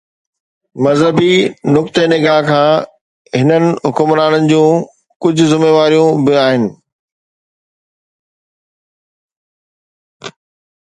مذهبي نقطه نگاهه کان هنن حڪمرانن جون ڪجهه ذميواريون به آهن.